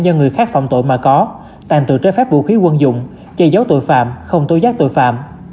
do người khác phòng tội mà có tàn tự trái phép vũ khí quân dụng chạy giấu tội phạm không tối giác tội phạm